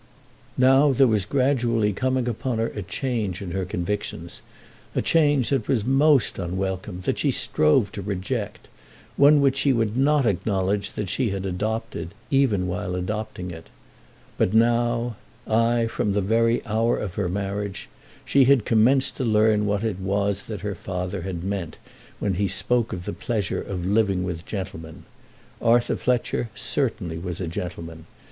Now, there was gradually coming upon her a change in her convictions, a change that was most unwelcome, that she strove to reject, one which she would not acknowledge that she had adopted even while adopting it. But now, ay, from the very hour of her marriage, she had commenced to learn what it was that her father had meant when he spoke of the pleasure of living with gentlemen. Arthur Fletcher certainly was a gentleman.